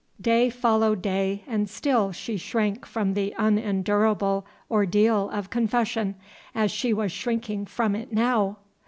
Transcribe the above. Day followed day, and still she shrank from the unendurable ordeal of confession as she was shrinking from it now!